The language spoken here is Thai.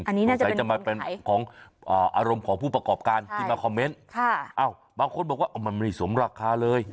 อันนี้ไหนจะมาเป็นของอารมณ์ของผู้ประกอบการที่มาคอมเมนต์บางคนบอกว่ามันไม่สมราคาเลย